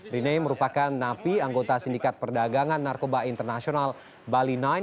rene merupakan napi anggota sindikat perdagangan narkoba internasional bali sembilan